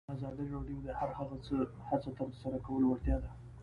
آزادي د هر هغه څه ترسره کولو وړتیا ده.